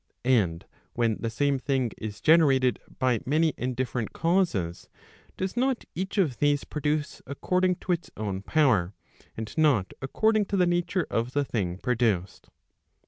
And when the same thing is generated by many and different causes, does not each of these produce according to its own power, and not according to the nature of the thing produced?